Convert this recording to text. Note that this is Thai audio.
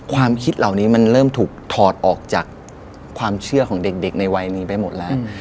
ความคิดเหล่านี้มันเริ่มถูกถอดออกจากความเชื่อของเด็กในวัยนี้ไปหมดแล้ว